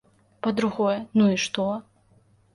Па-другое, ну і што?